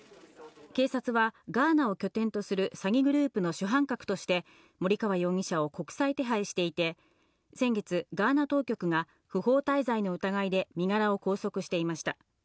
警察はガーナを拠点とする詐欺グループの主犯格として森川容疑者を国際手配していて、先月、ガーナ当局が不法滞在の疑いで身柄を拘束していました。